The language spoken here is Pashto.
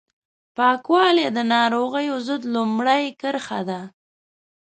پاکوالی د ناروغیو ضد لومړۍ کرښه ده